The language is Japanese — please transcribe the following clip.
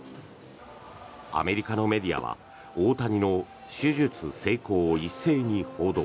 アメリカのメディアは大谷の手術成功を一斉に報道。